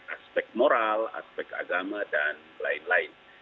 aspek moral aspek agama dan lain lain